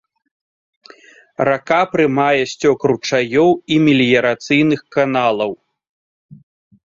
Рака прымае сцёк ручаёў і меліярацыйных каналаў.